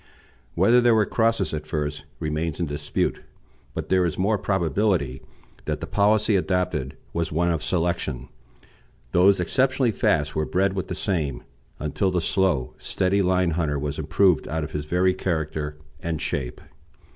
Whether there were crosses at first remains in dispute, but there is more probability that the policy adopted was one of selection; those exceptionally fast were bred with the same, until the slow, steady line hunter was improved out of his very character and shape.